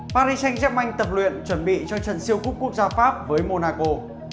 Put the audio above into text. paris saint germain tập luyện chuẩn bị cho trận siêu quốc quốc gia pháp với monaco